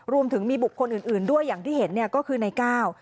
รวมถึงมีบุคคลอื่นด้วยอย่างที่เห็นเนี่ยก็คือในก้าว